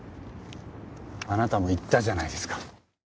あなたも言ったじゃないですか。